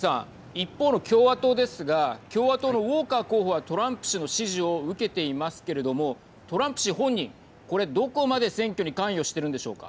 一方の共和党ですが共和党のウォーカー候補はトランプ氏の支持を受けていますけれどもトランプ氏本人これどこまで選挙に関与してるんでしょうか。